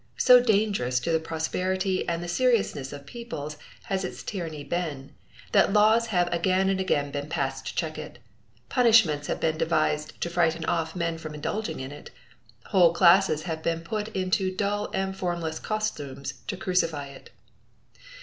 So dangerous to the prosperity and the seriousness of peoples has its tyranny been, that laws have again and again been passed to check it; punishments have been devised to frighten off men from indulging it; whole classes have been put into dull and formless costumes to crucify it.